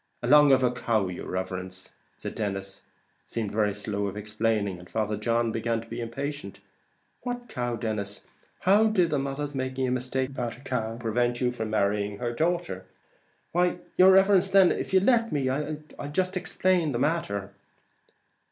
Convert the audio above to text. "Along of the cow, yer riverence." Denis seemed very slow of explaining, and Father John began to be impatient. "What cow, Denis? How did the mother's making a mistake about the cow prevent your marrying her daughter?" "Why, yer riverence, then, if you'll let me, I'll jist explain the matter.